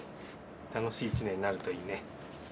楽しい一年になるといいね。